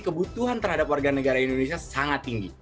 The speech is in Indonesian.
kebutuhan terhadap warga negara indonesia sangat tinggi